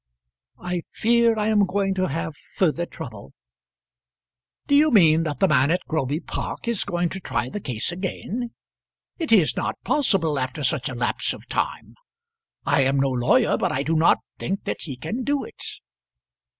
"I fear I am going to have further trouble." "Do you mean that the man at Groby Park is going to try the case again? It is not possible after such a lapse of time. I am no lawyer, but I do not think that he can do it."